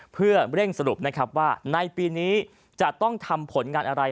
เพื่อเร่งสรุปนะครับว่าในปีนี้จะต้องทำผลงานอะไร